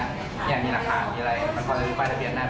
เนี่ยมีหลักฐานมีอะไรมันควรจะรู้แป้นทะเบียนหน้าไหม